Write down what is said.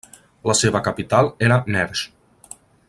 La seva capital era Mersch.